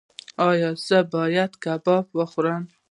ایا زه باید کباب وخورم؟